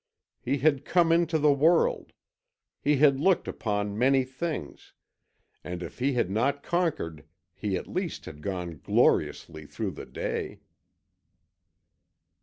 He had come into the world, he had looked upon many things, and if he had not conquered he at least had gone gloriously through the day.